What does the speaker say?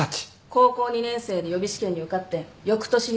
高校２年生で予備試験に受かって翌年に司法試験合格。